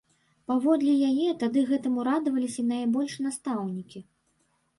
Паводле яе, тады гэтаму радаваліся найбольш настаўнікі.